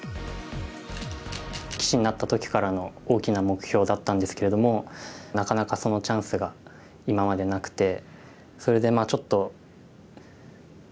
棋士になった時からの大きな目標だったんですけれどもなかなかそのチャンスが今までなくて。